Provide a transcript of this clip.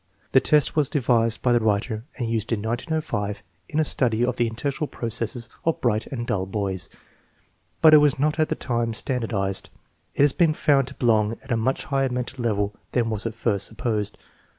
The test was devised by the writer and used in 1905 in a study of the intellectual processes of bright and dull boys, but it was not at that time standardized. It has been found to belong at a much higher mental level than was at first supposed.